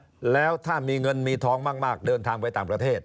แล้วถ้ามีเงินมีทองมากเดินทางไปต่างประเทศ